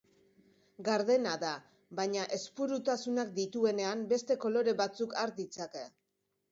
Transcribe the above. Gardena da, baina ezpurutasunak dituenean beste kolore batzuk har ditzake.